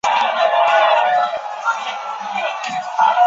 死后赠太子少保。